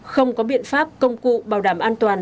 không có biện pháp công cụ bảo đảm an toàn